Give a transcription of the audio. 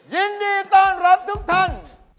ยินดีต้อนรับทุกท่าน